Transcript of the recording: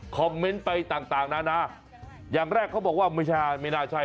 เมนต์ไปต่างนานาอย่างแรกเขาบอกว่าไม่ใช่ไม่น่าใช่